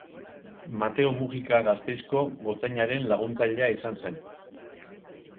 Mateo Mujika Gasteizko gotzainaren laguntzailea izan zen.